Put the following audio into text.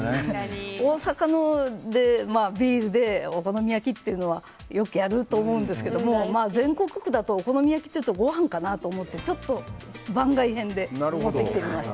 大阪でビールでお好み焼きというのはよくあると思うんですけど全国区だとお好み焼きというとごはんかなと思ってちょっと番外編で持ってきました。